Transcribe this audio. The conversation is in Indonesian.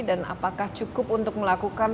dan apakah cukup untuk melakukan